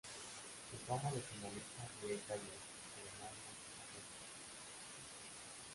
Su fama de penalista llega a Italia, a Alemania, a Rusia.